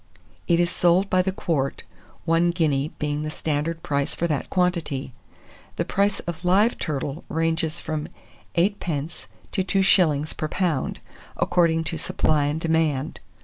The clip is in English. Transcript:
It is sold by the quart, one guinea being the standard price for that quantity. The price of live turtle ranges from 8d. to 2s. per lb., according to supply and demand.